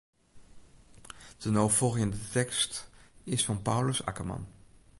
De no folgjende tekst is fan Paulus Akkerman.